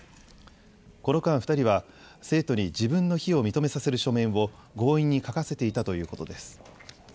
この間、２人は生徒に自分の非を認めさせる書面を強引に書かせていたということです。